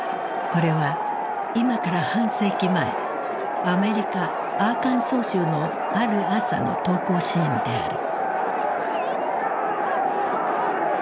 これは今から半世紀前アメリカ・アーカンソー州のある朝の登校シーンである。